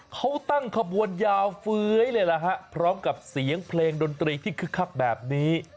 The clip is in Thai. เขาตั้งขบวนยาวเฟ้ยเลยล่ะฮะพร้อมกับเสียงเพลงดนตรีที่คึกคักแบบนี้